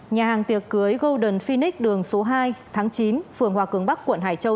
nhà hàng tiệc cưới golden finic đường số hai tháng chín phường hòa cường bắc quận hải châu